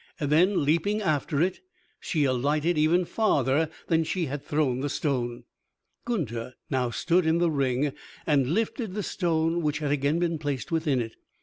Then, leaping after it, she alighted even farther than she had thrown the stone. Gunther now stood in the ring, and lifted the stone which had again been placed within it.